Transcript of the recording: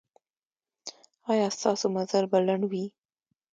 ایا ستاسو مزل به لنډ وي؟